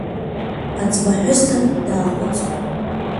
Аҵлаҳәысҭа даахәыцит…